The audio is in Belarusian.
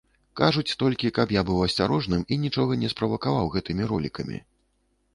Кажуць толькі, каб я быў асцярожным і нічога не справакаваў гэтымі ролікамі.